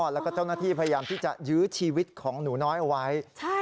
แล้วก็เจ้าหน้าที่พยายามที่จะยื้อชีวิตของหนูน้อยเอาไว้